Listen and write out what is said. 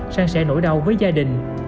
sang sẽ nỗi đau với gia đình